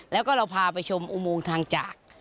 แล้วก็เราพาไปชมอุโมงทางจาก